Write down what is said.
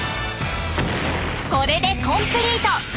これでコンプリート！